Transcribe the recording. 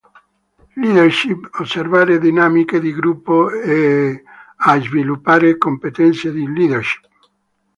Leadership: osservare dinamiche di gruppo e a sviluppare competenze di leadership.